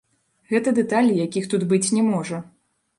Гэта дэталі, якіх тут быць не можа.